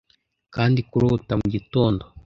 kandi kurota mugitondo